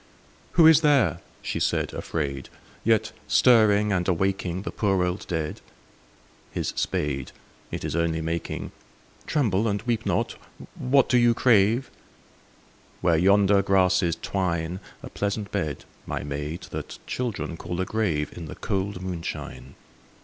II. Who is there, she said afraid, yet Stirring and awaking The poor old dead? His spade, it Is only making, — (Tremble and weep not I What do you crave ?) Where yonder grasses twine, A pleasant bed, my maid, that Children call a grave, In the cold moonshine.